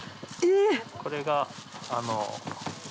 これが。